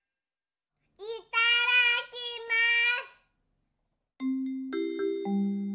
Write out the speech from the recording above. いただきます！